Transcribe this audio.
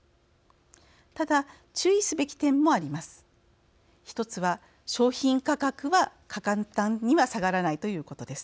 ただ、注意すべき点もあります。